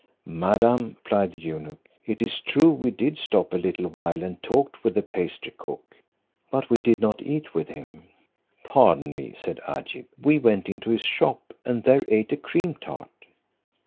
"Madam," replied the eunuch, "it is true, we did stop a little while and talked with the pastry cook, but we did not eat with him." "Pardon me," said Agib, "we went into his shop, and there ate a cream tart."